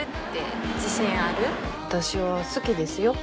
私は好きですよ。